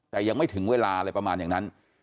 แต่ยังไม่ถึงเวลาอะไรประมาณอย่างนั้น